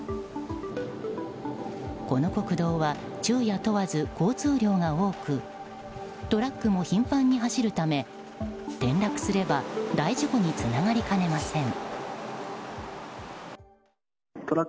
この国道は昼夜問わず交通量が多くトラックも頻繁に走るため転落すれば大事故につながりかねません。